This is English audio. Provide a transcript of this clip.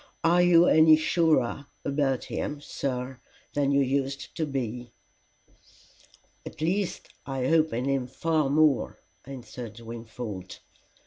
Are you any surer about him, sir, than you used to be?" "At least I hope in him far more," answered Wingfold.